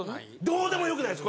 どうでも良くないです。